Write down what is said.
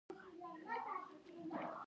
د بدخشان په شکی کې څه شی شته؟